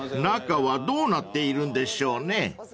［中はどうなっているんでしょうね］